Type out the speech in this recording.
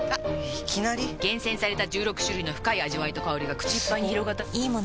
いきなり・・・厳選された十六種類の深い味わいと香りがくち一杯に広がったと思いきや・・・すご！